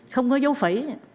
không có dấu phẩy